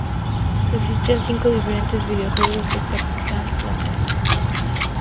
Existen cinco diferentes videojuegos de Capitán Planeta.